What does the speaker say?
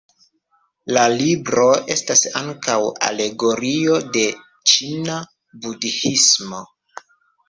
La libro estas ankaŭ alegorio de ĉina Budhismo.